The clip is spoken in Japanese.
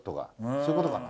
そういうことかな？